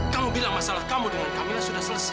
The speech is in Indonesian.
kamu bilang masalah kamu dengan kami sudah selesai